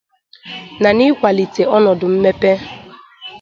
na n'ịkwàlite ọnọdụ mmepe